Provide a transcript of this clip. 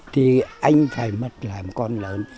thì anh phải mất làm con lớn